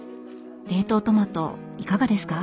冷凍トマトいかがですか？